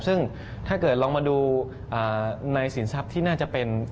ซึ่งถ้าเกิดลองมาดูในสินทรัพย์ที่น่าจะเป็น